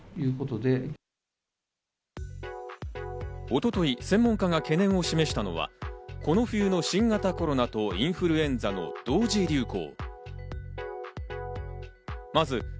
一昨日、専門家が懸念を示したのは、この冬の新型コロナとインフルエンザの同時流行。